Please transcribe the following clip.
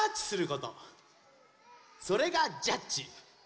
それがジャッチ。